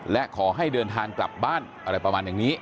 และขอให้เดินทางกลับบ้านอะไรประมาณอย่างนี้